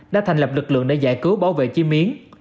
đã thành lập lực lượng để giải cứu bảo vệ chim yến